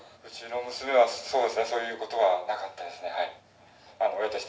「うちの娘はそうですねそういうことはなかったですねはい。